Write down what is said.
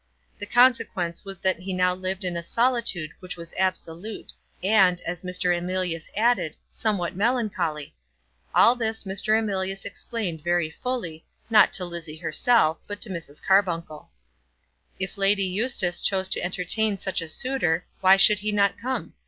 The consequence was that he now lived in a solitude which was absolute, and, as Mr. Emilius added, somewhat melancholy. All this Mr. Emilius explained very fully, not to Lizzie herself, but to Mrs. Carbuncle. If Lady Eustace chose to entertain such a suitor, why should he not come?